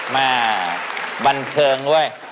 มาบันเทิงด้วย